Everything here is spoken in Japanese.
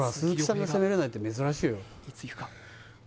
いついくか？